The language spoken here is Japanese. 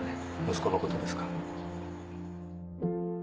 息子のことですから。